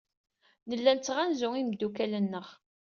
Nella nettɣanzu imeddukal-nneɣ.